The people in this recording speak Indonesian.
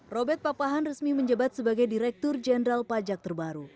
robert papahan resmi menjabat sebagai direktur jenderal pajak terbaru